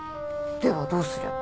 ではどうすれば？